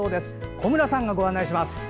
小村さんがご案内します。